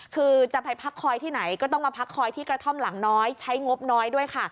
คือจะไปพักคอยที่ไหนก็ต้องมาพักคอยที่กระท่อมหลังน้อยใช้งบน้อยด้วยค่ะ